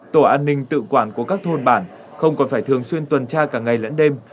tổ an ninh tự quản của các thôn bản không còn phải thường xuyên tuần tra cả ngày lẫn đêm